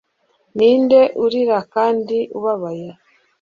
Ni nde urira kandi ubabaye